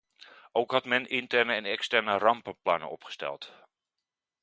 Ook had men interne en externe rampenplannen opgesteld.